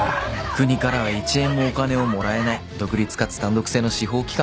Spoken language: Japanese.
国からは一円もお金をもらえない独立かつ単独制の司法機関。